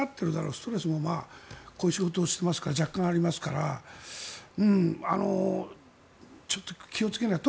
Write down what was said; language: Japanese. ストレスもこういう仕事をしているから若干ありますからちょっと気をつけないと。